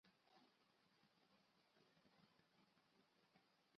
这一区域之后被列入圣海伦火山国家纪念区保护起来。